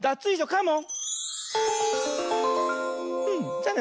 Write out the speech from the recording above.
じゃあね